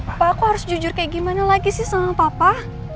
bapak aku harus jujur kayak gimana lagi sih sama papa